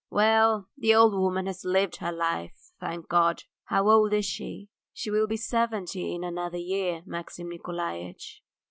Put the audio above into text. Well, the old woman has lived her life, thank God. ... How old is she?" "She'll be seventy in another year, Maxim Nikolaitch."